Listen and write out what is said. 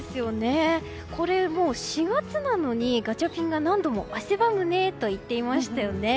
これ、もう４月なのにガチャピンが何度も汗ばむねと言っていましたよね。